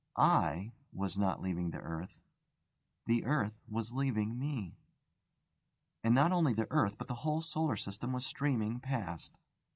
I was not leaving the earth: the earth was leaving me, and not only the earth but the whole solar system was streaming past.